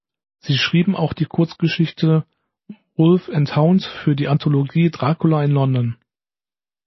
Sie schrieben auch die Kurzgeschichte "Wolf and Hound" für die Anthologie "Dracula in London".